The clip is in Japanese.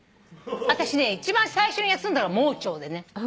私一番最初に休んだのが盲腸でね。